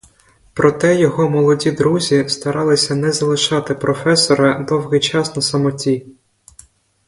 Проти його молоді друзі старалися не залишати професора довгий час на самоті.